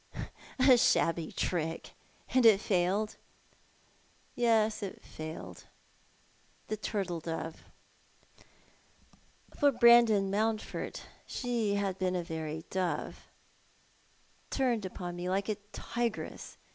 " A shabby trick— and it failed '?"" Yes, it failed— the turtle dove — for Brandon Mountford she had been a very dove — turned upon me like a tigress.